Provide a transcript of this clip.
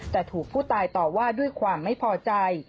แต่ถูกผู้ตายต่อว่าด้วยความไม่พอใจ